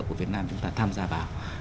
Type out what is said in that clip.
của việt nam chúng ta tham gia vào